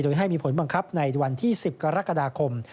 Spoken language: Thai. โดยให้มีผลบังคับในวันที่๑๐กรกฎาคม